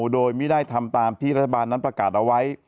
โดยไม่ได้ทำตามที่รัฐบาลนั้นประกาศเอาไว้